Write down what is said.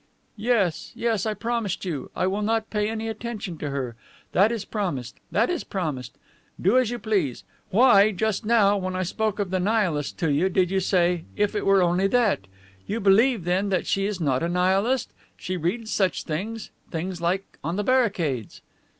"Yes, yes, I promise you. I will not pay any attention to her. That is promised. That is promised. Do as you please. Why, just now, when I spoke of the Nihilists to you, did you say, 'If it were only that!'? You believe, then, that she is not a Nihilist? She reads such things things like on the barricades..."